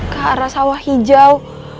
ke arah sawah hijau